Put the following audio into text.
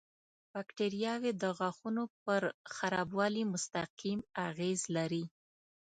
باکتریاوې د غاښونو پر خرابوالي مستقیم اغېز لري.